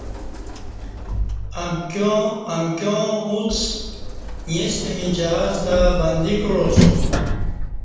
امکیاں اوݩڅ ایݩستہ می جہاز تہ بندی کعاسُوم